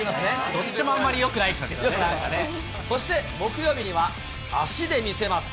どっちもあまりよくないですそして木曜日には足で見せます。